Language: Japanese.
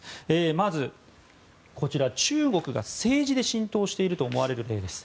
まず、中国が政治で浸透していると思われる例です。